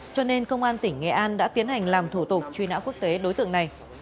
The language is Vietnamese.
cho nên công an tỉnh nghệ an đã tiến hành làm thủ tục truy nã quốc tế đối tượng này